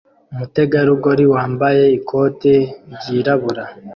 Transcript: Umutegarugori wambaye ikote ryirabura